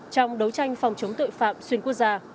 trong đấu tranh phòng chống tội phạm xuyên quốc gia